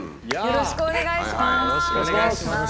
よろしくお願いします。